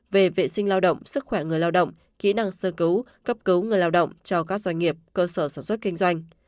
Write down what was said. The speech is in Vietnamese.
về vệ sinh lao động sức khỏe người lao động kỹ năng sơ cứu cấp cứu người lao động cho các doanh nghiệp cơ sở sản xuất kinh doanh